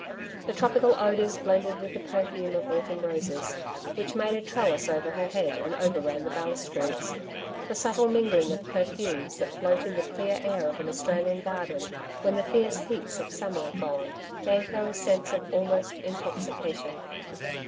The tropical odours blended with the perfume of autumn roses, which made a trellis over her head and overran the balustrades. The subtle mingling of perfumes that float in the clear air of an Australian garden, when the fierce heats of summer are gone, gave her a sense of almost intoxication.